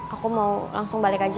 aku mau langsung balik aja